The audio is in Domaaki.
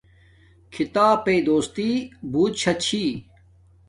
کھیتاپݵ دوستی بوت شاہ چھی